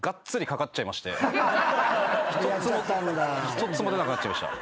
一つも出なくなっちゃいました。